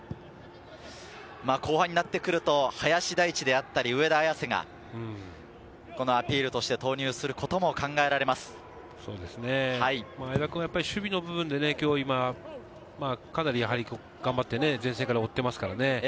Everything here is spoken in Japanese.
後半になってくると林大地であったり上田綺世がアピールとして前田君は守備の部分で、かなり頑張って前線から追っていますからね。